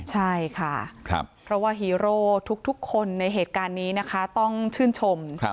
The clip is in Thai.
ใช่ค่ะเพราะว่าฮีโร่ทุกคนในเหตุการณ์นี้นะคะต้องชื่นชม